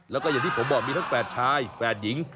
แล้วก็อย่างที่ผมบอกมีทั้งแฝดชายแฝดหญิง